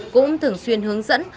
cũng thường xuyên hướng dẫn